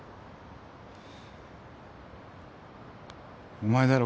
お前だろ？